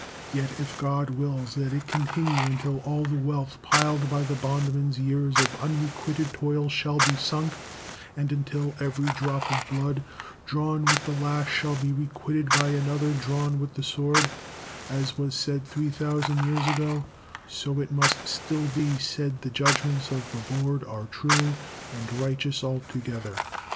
Yet if God wills that it continue until all the wealth piled by the bondman's 250 years of unrequited toil shall be sunk, and until every drop of blood drawn with the lash shall be requited by another drawn with the sword, as was said 3000 years ago, so it must still be said the judgments of the Lord are true and righteous altogether.